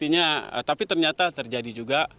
tapi ternyata terjadi juga